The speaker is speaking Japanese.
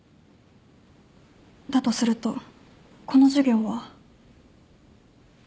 だとするとこの授業は。